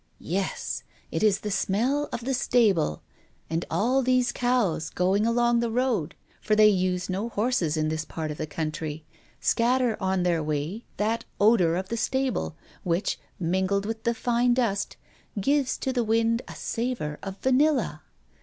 "Yes, it is the smell of the stable; and all these cows going along the roads for they use no horses in this part of the country scatter on their way that odor of the stable, which, mingled with the fine dust, gives to the wind a savor of vanilla."